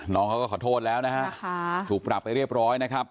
น้องเขาก็ขอโทษแล้วนะฮะถูกปรับไปเรียบร้อยนะครับ